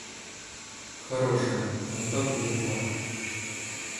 Хорошая, но так глупа!